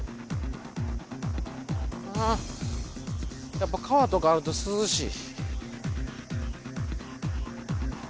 やっぱ川とかあると涼しい。